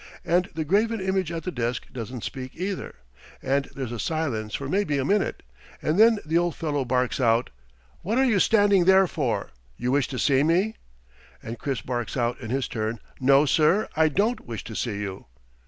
And the graven image at the desk doesn't speak either, and there's a silence for maybe a minute, and then the old fellow barks out: "What are you standing there for? You wish to see me?" And Chiz barks out in his turn: "No, sir, I don't wish to see you."